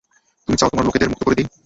তুমি চাও তোমার লোকেদের মুক্ত করে দিই।